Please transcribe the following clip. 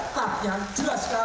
ternyata jelas sekali